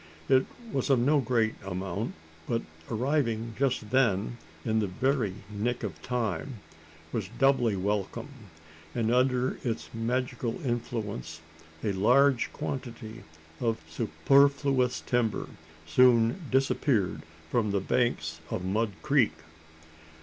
It was of no great amount; but, arriving just then in the very "nick o' time," was doubly welcome; and under its magical influence, a large quantity of superfluous timber soon disappeared from the banks of Mud Creek.